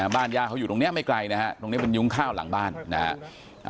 บ้านย่าเขาอยู่ตรงนี้ไม่ไกลนะฮะตรงนี้เป็นยุ้งข้าวหลังบ้านนะฮะ